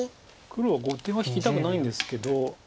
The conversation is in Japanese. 黒は後手は引きたくないんですけど。